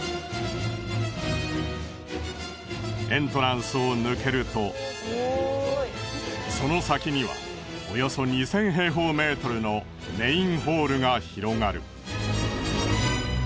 エントランスを抜けるとその先にはおよそ２，０００平方メートルのメインホールが広がる。